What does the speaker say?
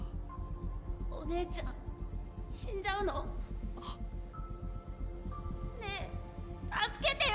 おねえちゃん死んじゃうの？ねえ助けてよ